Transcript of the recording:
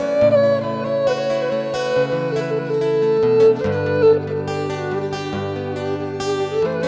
เพราะว่าเค้าการประสานกี่ตาย